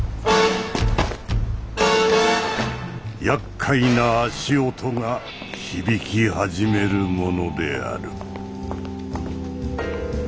やっかいな足音が響き始めるものである。